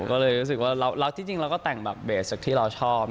ก็เลยรู้สึกว่าที่จริงเราก็แต่งแบบเบสจากที่เราชอบ